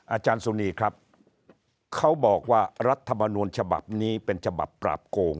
อาจารย์สุนีครับเขาบอกว่ารัฐมนูลฉบับนี้เป็นฉบับปราบโกง